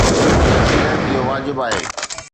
يقيناً اهو واجب آهي.